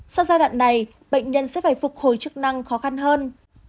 sau giai đoạn này bệnh nhân sẽ phải phục hồi chức năng khó khăn hơn